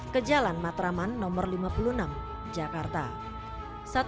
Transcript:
ke jalan matraman no lima puluh enam jakarta